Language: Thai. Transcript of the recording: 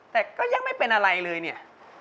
แต่ก็ยังไม่เป็นอะไรเลยเนี่ย